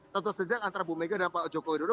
tentu saja antara ibu megawati dan pak joko widodo